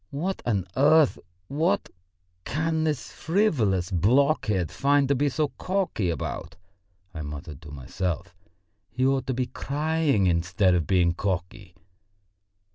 "What on earth, what, can this frivolous blockhead find to be so cocky about?" I muttered to myself. "He ought to be crying instead of being cocky."